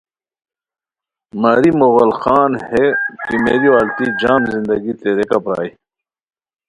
ماری مغل خان ہے کیمریو التی جم زندگی تیریکہ پرائے